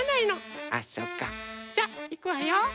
じゃあいくわよ。